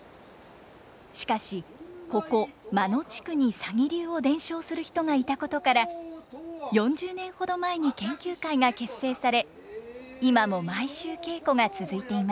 しかしここ真野地区に鷺流を伝承する人がいたことから４０年ほど前に研究会が結成され今も毎週稽古が続いています。